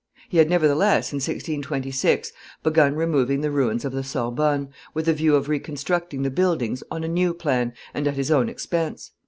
He had, nevertheless, in 1626, begun removing the ruins of the Sorbonne, with a view of reconstructing the buildings on a new plan and at his own expense.